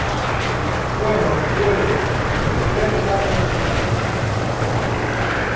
bueno, puede. voy a quitarme el maquillaje .